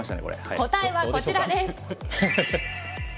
答えはこちらです。